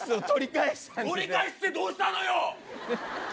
取り返してどうしたのよ。